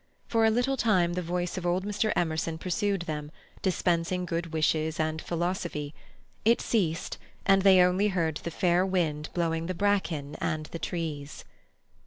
For a little time the voice of old Mr. Emerson pursued them dispensing good wishes and philosophy. It ceased, and they only heard the fair wind blowing the bracken and the trees.